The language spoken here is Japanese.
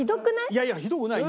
いやいやひどくない。